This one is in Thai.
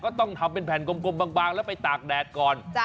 ต้องทำเป็นแผ่นกลมบางแล้วไปตากแดดก่อน